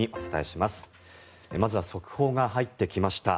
まずは速報が入ってきました。